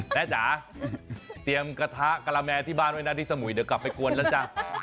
จ๋าเตรียมกระทะกะละแมที่บ้านไว้นะที่สมุยเดี๋ยวกลับไปกวนแล้วจ้ะ